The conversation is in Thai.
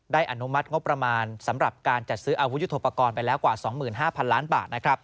อนุมัติงบประมาณสำหรับการจัดซื้ออาวุธยุทธโปรกรณ์ไปแล้วกว่า๒๕๐๐๐ล้านบาท